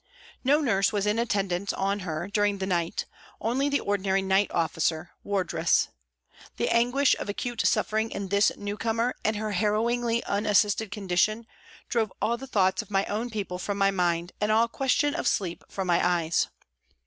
No nurse was in attendance on her during the night, only the ordinary night officer (wardress). The anguish of acute suffering in this newcomer and her harrowingly unassisted condition, drove all thoughts of my own people from my mind and all question of sleep from my eyes.